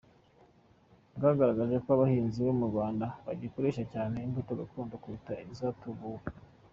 Bwagaragaje ko abahinzi bo mu Rwanda bagikoresha cyane imbuto gakondo kuruta izatubuwe.